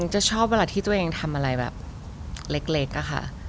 จะชอบเวลาที่ตัวเองทำอะไรแบบเล็กอะค่ะ